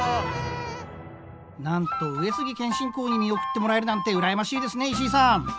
なんと上杉謙信公に見送ってもらえるなんて羨ましいですね石井さん。